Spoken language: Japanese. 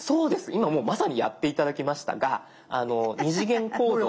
今もうまさにやって頂きましたが二次元コードを。